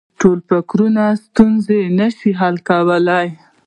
ټولې فکري ستونزې یې نه شوای حل کولای.